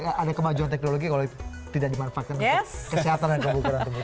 buat apa ada kemajuan teknologi kalau itu tidak dimanfaatkan untuk kesehatan dan kebukaran tubuh